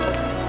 terima kasih ya